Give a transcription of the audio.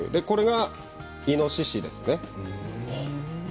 これはイノシシですね。